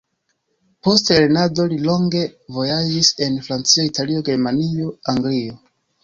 Post lernado li longe vojaĝis en Francio, Italio, Germanio, Anglio.